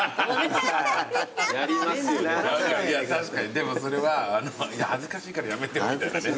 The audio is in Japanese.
でもそれは恥ずかしいからやめてよみたいなね